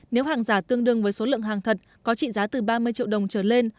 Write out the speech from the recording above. nếu hàng giả tương đương với số lượng hàng thật có trị giá từ ba mươi triệu đồng trở lên